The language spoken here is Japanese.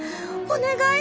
お願い！